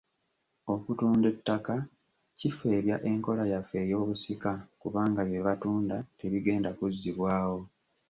Okutunda ettaka kifeebya enkola yaffe ey’obusika kubanga bye batunda tebigenda kuzzibwawo.